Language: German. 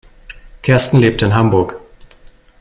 Kersten lebt in Hamburg.